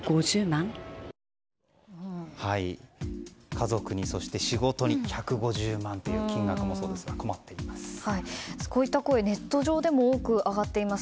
家族に、そして仕事に１５０万という金額もそうですがこういった声、ネット上でも多く上がっています。